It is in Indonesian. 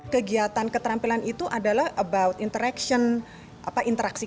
kegiatan keterampilan itu adalah untuk membuat anak anak lebih kreatif